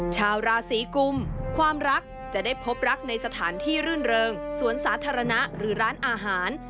ชาวราศีกุมความรักจะได้พบรักในสถานที่รื่นเริงสวนสาธารณะหรือร้านอาหาร